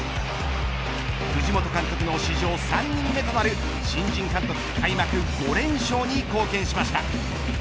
藤本監督の、史上３人目となる新人監督開幕５連勝に貢献しました。